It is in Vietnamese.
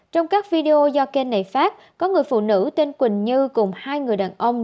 trong các video do kênh này phát có người phụ nữ tên quỳnh như cùng hai người đàn ông